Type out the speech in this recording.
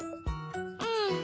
うん。